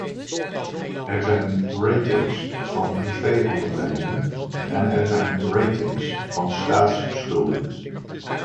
Er zijn ratings van privéondernemingen en er zijn ratings van staatsschulden.